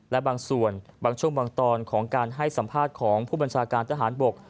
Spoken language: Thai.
และบางส่วนบางช่วงบางตอนของการให้สัมภาษณ์ของผู้บัญชาการทหารบก